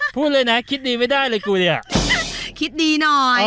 พูดเลยนะคิดดีไม่ได้เลยกูเนี่ย